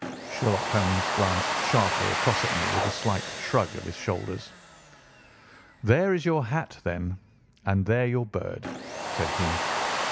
Sherlock Holmes glanced sharply across at me with a slight shrug of his shoulders. "There is your hat, then, and there your bird," said he.